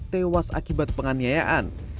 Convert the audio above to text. tewas akibat penganiayaan